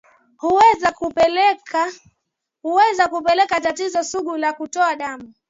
huweza kupelekea tatizo sugu la kutokwa damu